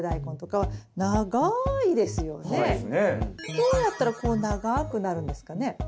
どうやったらこう長くなるんですかね？